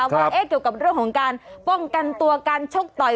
ว่าเกี่ยวกับเรื่องของการป้องกันตัวการชกต่อย